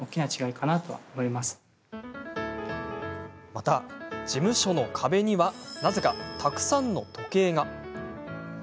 また事務所の壁にはなぜか、たくさんの時計が。